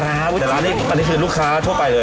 ใต้แรกลูกค้าทั่วไปเลย